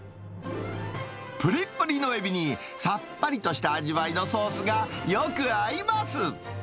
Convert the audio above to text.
ぷりぷりのエビに、さっぱりとした味わいのソースがよく合います。